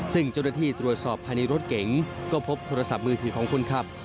ซึ่งเจ้าหน้าที่ตรวจสอบภายในรถเก๋งก็พบโทรศัพท์มือถือของคนขับ